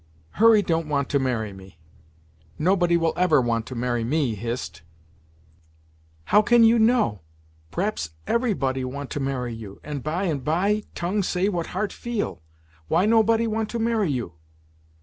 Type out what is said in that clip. "Hurry don't want to marry me nobody will ever want to marry me, Hist." "How you can know? P'raps every body want to marry you, and by and bye, tongue say what heart feel. Why nobody want to marry you?"